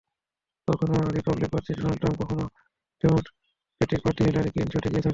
কখনো রিপাবলিকান প্রার্থী Donald Trump, কখনোবা ডেমোক্রেটিক প্রার্থী হিলারি ক্লিনটন এগিয়ে থাকছেন।